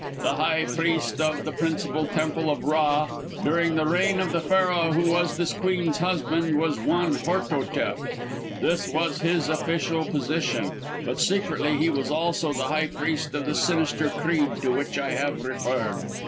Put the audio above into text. The high priest of the principal Temple of Ra, during the reign of the Pharaoh who was this queen's husband, was one Hortotef. This was his official position, but secretly he was also the high priest of the sinister creed to which I have referred.